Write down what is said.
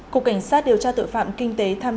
cục cảnh sát điều tra tội phạm kinh tế tham